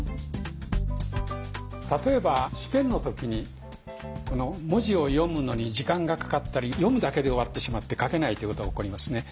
例えば試験の時に文字を読むのに時間がかかったり読むだけで終わってしまって書けないっていうことが起こりますね。